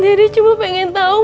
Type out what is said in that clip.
dede cuma pengen tau